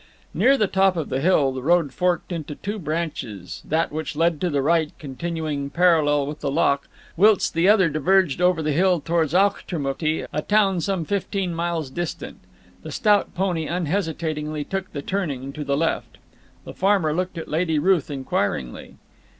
Near the top of the hill the road forked into two branches, that which led to the right continuing parallel with the loch, whilst the other diverged over the hill towards Auchtermuchty, a town some fifteen miles distant. The stout pony unhesitatingly took the turning to the left. The farmer looked at Lady Ruth inquiringly.